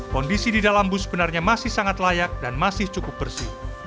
kondisi di dalam bus sebenarnya masih sangat layak dan masih cukup bersih